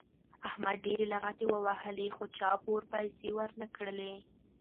احمد ډېرې لغتې ووهلې خو چا پور پیسې ور نه کړلې.